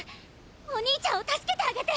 お兄ちゃんを助けてあげて！